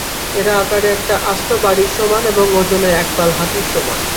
এরা আকারে একটা আস্ত বাড়ির সমান এবং ওজনে একপাল হাতির সমান।